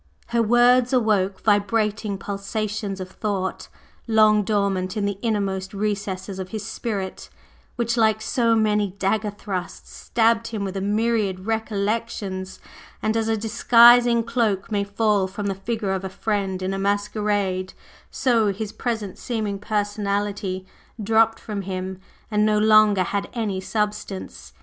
Her words awoke vibrating pulsations of thought, long dormant in the innermost recesses of his spirit, which, like so many dagger thrusts, stabbed him with a myriad recollections; and as a disguising cloak may fall from the figure of a friend in a masquerade, so his present seeming personality dropped from him and no longer had any substance.